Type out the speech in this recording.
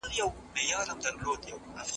موږ باید د نورو عقیدې وپېژنو.